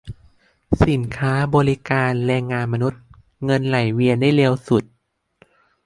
สินค้า บริการ แรงงานมนุษย์ เงินไหลเวียนได้เร็วสุด